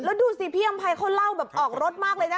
แล้วดูสิพี่อำภัยเขาเล่าแบบออกรถมากเลยนะ